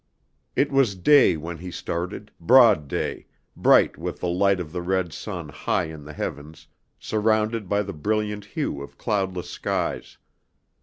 It was day when he started, broad day, bright with the light of the red sun high in the heavens, surrounded by the brilliant hue of cloudless skies.